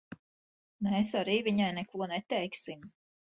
Mēs arī viņai neko neteiksim.